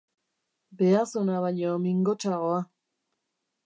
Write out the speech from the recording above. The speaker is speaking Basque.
Behazuna baino mingotsagoa.